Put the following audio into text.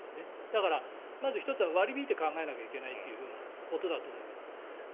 だからまず１つは割り引いて考えないといけないということだと思います。